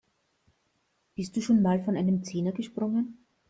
Bist du schon mal von einem Zehner gesprungen?